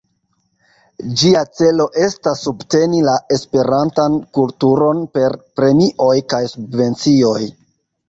Ĝia celo estas subteni la esperantan kulturon per premioj kaj subvencioj.